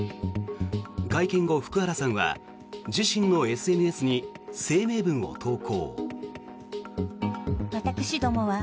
会見後、福原さんは自身のＳＮＳに声明文を投稿。